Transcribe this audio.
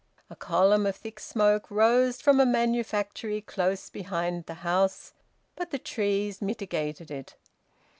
A column of thick smoke rose from a manufactory close behind the house, but the trees mitigated it.